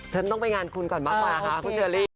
ฉันต้องไปงานคุณก่อนมากกว่าค่ะคุณเชอรี่